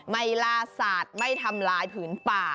ไม่ล่าสัตว์ไม่ทำลายผืนป่า